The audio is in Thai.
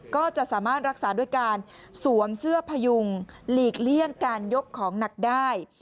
ก็จะสามารถรักษาด้วยการสวมเสื้อพยุงหลีกเลี่ยงการยกของหนักได้